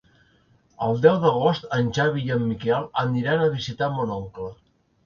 El deu d'agost en Xavi i en Miquel aniran a visitar mon oncle.